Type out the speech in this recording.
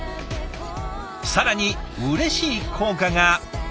更にうれしい効果が。